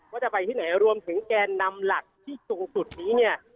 ว่าจะไปที่ไหนรวมถึงแกนนำหลักที่สูงสุดนี้เนี่ย